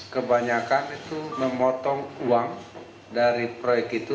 kebanyakan itu memotong uang dari proyek itu